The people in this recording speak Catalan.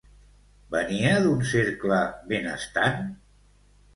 Venia d'un cercle benestant?